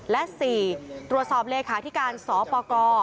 และสี่ตรวจสอบเลขาที่การสปก